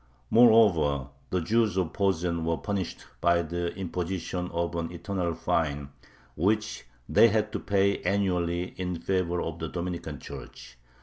Moreover, the Jews of Posen were punished by the imposition of an "eternal" fine, which they had to pay annually in favor of the Dominican church.